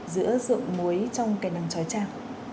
giữa rượu muối trong cây nắng trói trang